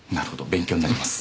勉強になります。